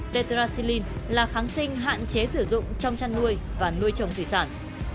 petracilin là kháng sinh hạn chế sử dụng trong chăn nuôi và nuôi trồng thủy sản